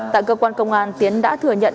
tại cơ quan công an tiến đã thừa nhận